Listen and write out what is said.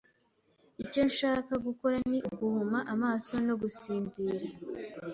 Icyo nshaka gukora ni uguhuma amaso no gusinzira.